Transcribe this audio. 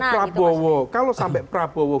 prabowo kalau sampai prabowo